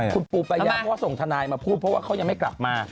คุณปูปายาเพราะว่าส่งทนายมาพูดเพราะว่าเขายังไม่กลับมา